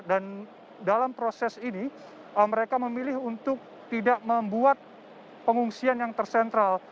dan dalam proses ini mereka memilih untuk tidak membuat pengungsian yang tersentral